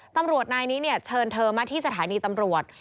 ตำรวจนายนี้เชิญเธอมาที่สถานีตำรวจ